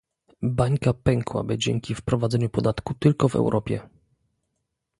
Bańka pękłaby dzięki wprowadzeniu podatku tylko w Europie